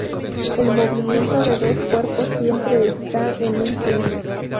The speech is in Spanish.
El movimiento de dos cuerpos siempre está en un plano.